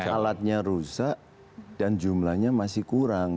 alatnya rusak dan jumlahnya masih kurang